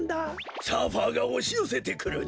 サーファーがおしよせてくるな。